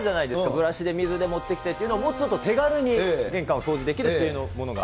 ブラシで水で持ってきてっていうのを、もうちょっと手軽に玄関を掃除できるというものが。